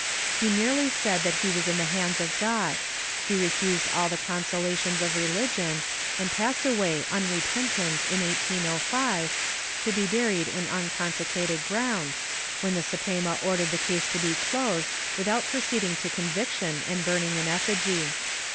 He merely said that he was in the hands of God; he refused all the consolations of religion and passed away unrepentant in 1805, to be buried in unconsecrated ground, when the Suprema ordered the case to be closed, without proceeding to conviction and burning in effigy.